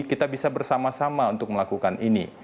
kita bisa bersama sama untuk melakukan ini